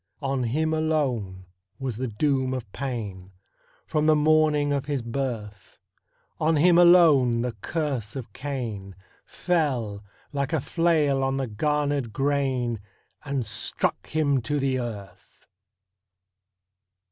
On him alone was the doom of pain, From the morning of his birth; On him alone the curse of Cain Fell, like a flail on the garnered grain, And struck him to the earth!